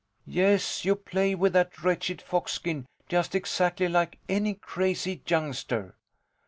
Yes, you play with that wretched fox skin just exactly like any crazy youngster.